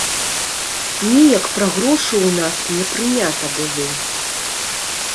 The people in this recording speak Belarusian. Неяк пра грошы ў нас не прынята было.